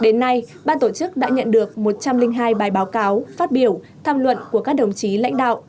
đến nay ban tổ chức đã nhận được một trăm linh hai bài báo cáo phát biểu tham luận của các đồng chí lãnh đạo